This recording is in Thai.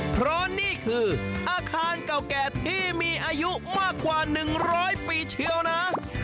เพราะนี่คืออาคารเก่าแก่ที่มีอายุมากกว่า๑๐๐ปีเชียวนะ